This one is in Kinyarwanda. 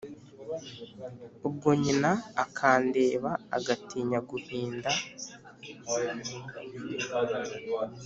Ubwo nyina akandeba Agatinya guhinda